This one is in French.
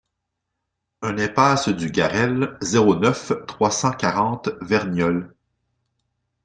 un impasse du Garrel, zéro neuf, trois cent quarante Verniolle